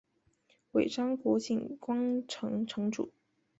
尾张国井关城城主。